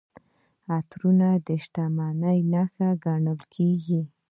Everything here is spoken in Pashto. عطرونه د شتمنۍ نښه ګڼل کیږي.